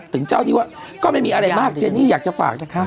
ถึงเจ้าที่ว่าก็ไม่มีอะไรมากเจนี่อยากจะฝากนะคะ